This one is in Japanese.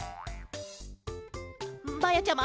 まやちゃま？